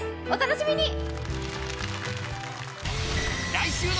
お楽しみに。